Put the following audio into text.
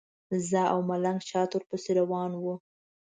زه او ملنګ شاته ورپسې روان وو.